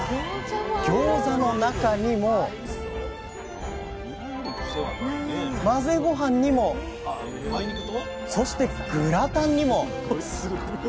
ギョーザの中にも混ぜごはんにもそしてグラタンにも。